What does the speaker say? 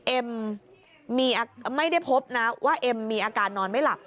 เอ็มไม่ได้พบนะว่าเอ็มมีอาการนอนไม่หลับ